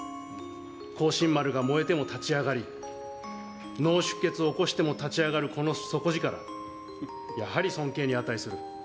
こうしん丸が燃えても立ち上がり、脳出血を起こしても立ち上がる、この底力、やはり尊敬に値する。